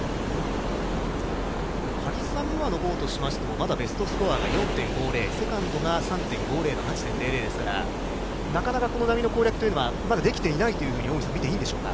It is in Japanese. カリッサ・ムーアのほうとしましても、まだベストスコアが４．５０、セカンドが３．５０の８．００ですから、なかなか波の攻略というのはまだできていないというふうに見ていいんでしょうか？